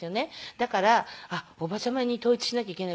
だからおばちゃまに統一しなきゃいけない。